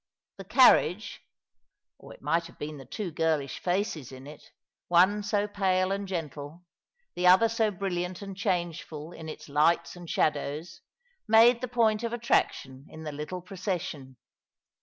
The carriage, or it might have been the two girlish faces in it, one so pale and gentle, the other so brilliant and changeful in its lights and shadows, made the point of attraction in the little procession.